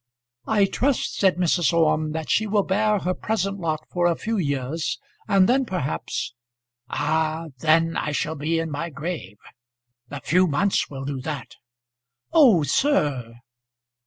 "I trust," said Mrs. Orme, "that she will bear her present lot for a few years; and then, perhaps " "Ah! then I shall be in my grave. A few months will do that." "Oh, sir!"